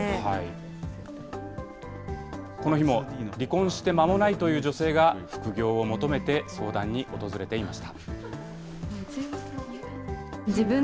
この日も、離婚してまもないという女性が副業を求めて相談に訪れていました。